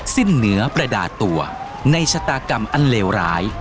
สิ้นเหนือประดาตัวในชะตากรรมอันเลวร้าย